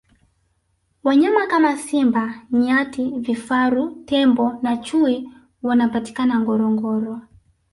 wanyama kama simba nyati vifaru tembo na chui wanapatikana ngorongoro